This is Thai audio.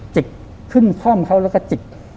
จิกขึ้นคล่อมเขาแล้วก็จิก